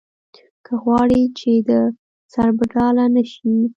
که غواړې چې سربډاله نه شې.